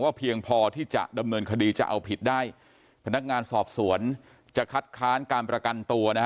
เพียงพอที่จะดำเนินคดีจะเอาผิดได้พนักงานสอบสวนจะคัดค้านการประกันตัวนะฮะ